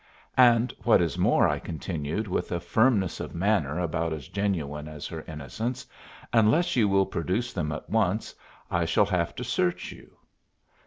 "And what is more," I continued, with a firmness of manner about as genuine as her innocence, "unless you will produce them at once, I shall have to search you."